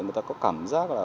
người ta có cảm giác là